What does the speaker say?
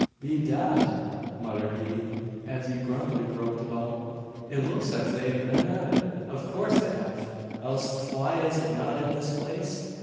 "Be dad!" muttered he, as he grumblingly groped about; "it looks as if they'd been at it. Av coorse they hav, else fwhy is it not in its place?